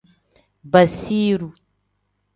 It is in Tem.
Basiru.